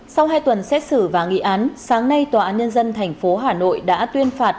sau hai tuần xét xử và nghị án sáng nay tòa án nhân dân tp hà nội đã tuyên phạt